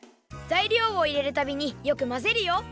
ざいりょうをいれるたびによくまぜるよ。